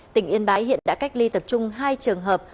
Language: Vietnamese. tỉnh yên bái hiện đã cách ly tập trung hai trường hợp